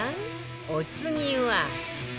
お次は